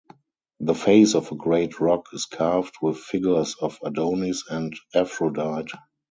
The face of a great rock is carved with figures of Adonis and Aphrodite.